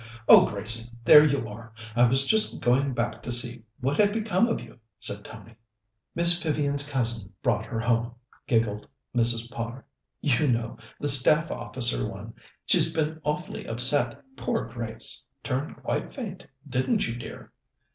"Oh, Gracie, there you are! I was just going back to see what had become of you," said Tony. "Miss Vivian's cousin brought her home!" giggled Mrs. Potter. "You know, the Staff Officer one. She's been awfully upset, poor Grace! Turned quite faint, didn't you, dear?"